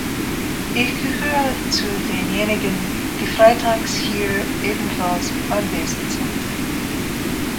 Ich gehöre zu denjenigen, die freitags hier ebenfalls anwesend sind.